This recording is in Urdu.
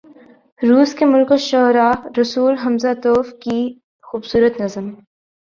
روس کے ملک الشعراء “رسول ھمزہ توف“ کی خوبصورت نظم